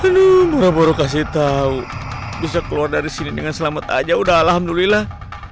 dulu baru kasih tahu bisa keluar dari sini dengan selamat aja udah alhamdulillah